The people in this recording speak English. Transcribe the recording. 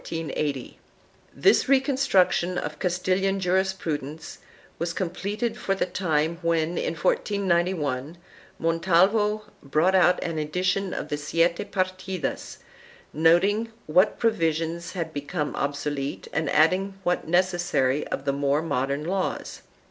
2 This reconstruc tion of Castilian jurisprudence was completed for the time when, in 1491, Montalvo brought out an edition of the Siete Partidas, noting what provisions had become obsolete and adding what was necessary of the more modern laws.